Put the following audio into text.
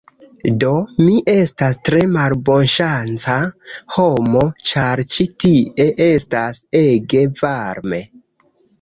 Do mi estas tre malbonŝanca homo, ĉar ĉi tie estas ege varme